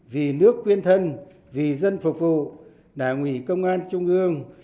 vì nước quyên thân vì dân phục vụ đảng ủy công an trung ương